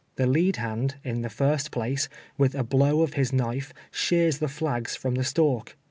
Tho lead hand, in the first place, with a blow of his knife shears the flags from the stalk.